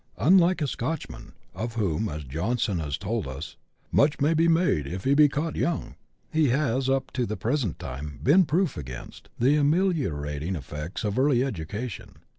Unlike a Scotchman, of whom, as Johnson has told us, " much may be made if he be caught young," he has, up to the present time, been proof against the ameliorating effects of early education.